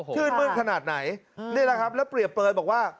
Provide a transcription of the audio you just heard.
ชื่นมืดขนาดไหนนี่แหละครับแล้วเปรียบเปลยบอกว่า